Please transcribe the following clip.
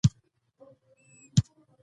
چې اساسي حقوق او انساني کرامت نقضوي.